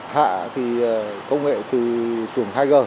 hạ thì công nghệ từ xuồng hai g